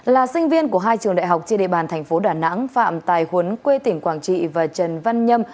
là sinh viên của hai trường đại học trên địa bàn thành phố đà nẵng phạm tài huấn quê tỉnh quảng trị và trần văn nhâm